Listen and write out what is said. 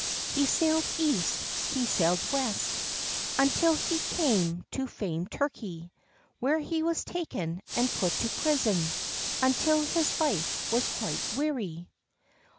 He sailed east, he sailed west, Until he came to famed Turkey, Where he was taken and put to prison, Until his life was quite weary.